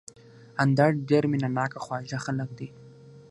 اندړ ډېر مېنه ناک او خواږه خلک دي